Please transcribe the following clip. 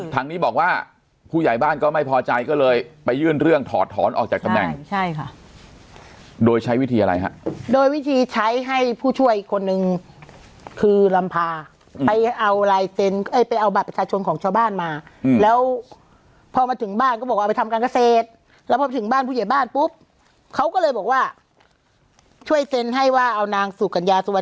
หนูมันเป็นว่าจำยอมค่ะจำยอมที่ต้องให้หัก